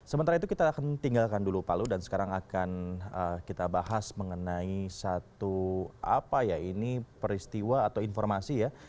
sementara itu kita akan tinggalkan dulu palu dan sekarang akan kita bahas mengenai satu apa ya ini peristiwa atau informasi ya